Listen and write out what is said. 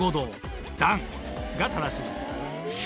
が正しい。